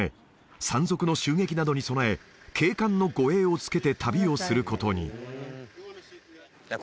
山賊の襲撃などに備え警官の護衛をつけて旅をすることにじゃあ